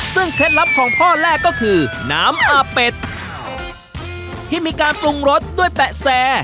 ซึ่งเคล็ดลับของพ่อแรกก็คือน้ำอาเป็ดที่มีการปรุงรสด้วยแปะแซ